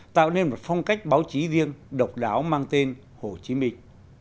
tạo nên một phong cách báo chí riêng độc đáo mang tên hồ chí minh